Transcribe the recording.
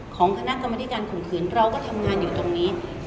ของคณะกรรมธิการข่มขืนเราก็ทำงานอยู่ตรงนี้